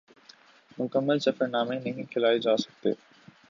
مکمل سفر نامے نہیں کھلائے جا سکتے